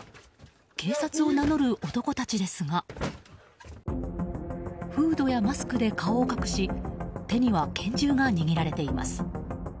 警察を名乗る男たちですがフードやマスクで顔を隠し手には拳銃が握られています。